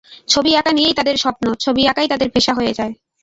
ছবি আঁঁকা নিয়েই তাঁদের স্বপ্ন, ছবি আঁঁকাই তাঁদের পেশা হয়ে যায়।